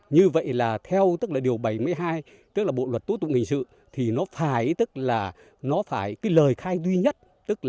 như vậy là theo tức là điều bảy mươi hai tức là bộ luật tố tụng hình sự thì nó phải tức là nó phải cái lời khai duy nhất tức là